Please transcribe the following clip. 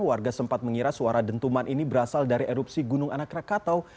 warga sempat mengira suara dentuman ini berasal dari erupsi gunung anak rakatau